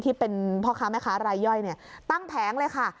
ที่เป็นพ่อค้าแม่ค้ารายย่อยตั้งแผงเลยค่ะ